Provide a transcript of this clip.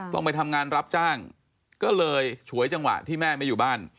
ต้องไปทำงานรับจ้างก็เลยฉวยจังหวะที่แม่ไม่อยู่บ้าน